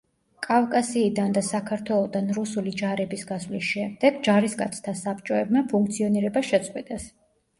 კავკასიიდან და საქართველოდან რუსული ჯარების გასვლის შემდეგ ჯარისკაცთა საბჭოებმა ფუნქციონირება შეწყვიტეს.